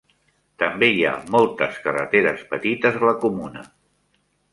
També hi ha moltes carreteres petites a la comuna.